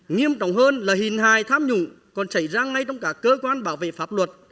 nghiêm trọng hơn là hình hài tham nhũng còn xảy ra ngay trong cả cơ quan bảo vệ pháp luật